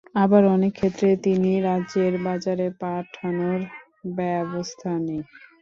আবার অনেক ক্ষেত্রে ভিন রাজ্যের বাজারে পাঠানোর ব্যবস্থা নেই।